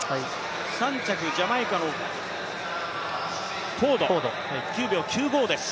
３着ジャマイカのフォード９秒９５です。